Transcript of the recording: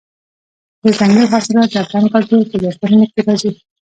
دځنګل حاصلات د افغان کلتور په داستانونو کې راځي.